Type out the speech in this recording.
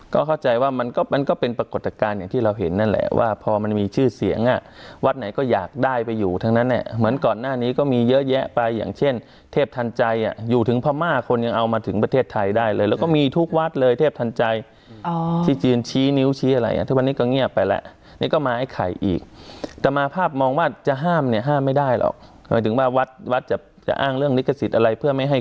ก็เข้าใจว่ามันก็มันก็เป็นปรากฏการณ์อย่างที่เราเห็นนั่นแหละว่าพอมันมีชื่อเสียงอ่ะวัดไหนก็อยากได้ไปอยู่ทั้งนั้นแหละเหมือนก่อนหน้านี้ก็มีเยอะแยะไปอย่างเช่นเทพธันใจอ่ะอยู่ถึงพระม่าคนยังเอามาถึงประเทศไทยได้เลยแล้วก็มีทุกวัดเลยเทพธันใจอ๋อที่จีนชี้นิ้วชี้อะไรอ่ะทุกวันนี้ก็เงียบไป